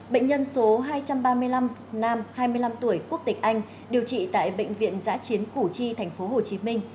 bệnh nhân số hai trăm ba mươi năm nam hai mươi năm tuổi quốc tịch anh điều trị tại bệnh viện giã chiến củ chi tp hcm